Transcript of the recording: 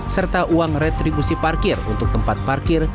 serta uang retribusi parkir untuk tempat parkir